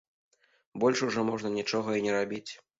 Больш ужо можна нічога і не рабіць.